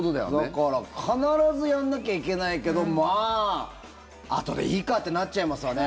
だから必ずやんなきゃいけないけどまあ、あとでいいかってなっちゃいますわね。